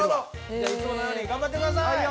じゃあいつものように頑張ってください。